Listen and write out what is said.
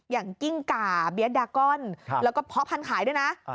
กิ้งก่าเบียดดากอนแล้วก็เพาะพันธุ์ขายด้วยนะ